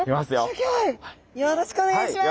よろしくお願いします。